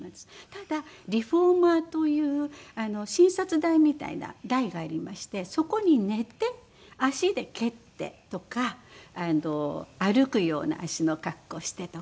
ただリフォーマーという診察台みたいな台がありましてそこに寝て足で蹴ってとか歩くような足の格好してとか。